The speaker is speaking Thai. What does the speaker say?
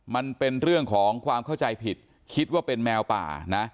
มันเป็นเรื่องของความเข้าใจผิดคิดว่าเป็นแมวป่านะ